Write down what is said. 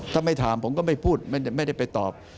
ถ้าไม่ถามผมก็ไม่พูดไม่ได้ไปตอบ